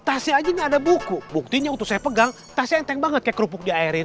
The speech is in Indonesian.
tasi aja ada buku buktinya untuk saya pegang tas yang banget kerupuk diairin